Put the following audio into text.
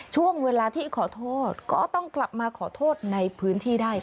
ช่วงเวลาที่ขอโทษก็ต้องกลับมาขอโทษในพื้นที่ได้